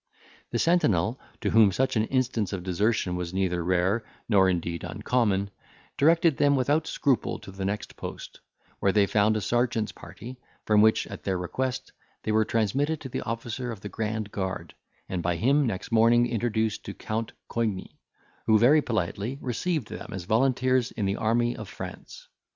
The sentinel, to whom such an instance of desertion was neither rare, nor indeed uncommon, directed them without scruple to the next post, where they found a serjeant's party, from which, at their request, they were transmitted to the officer of the grand guard, and by him next morning introduced to Count Coigny, who very politely received them as volunteers in the army of France.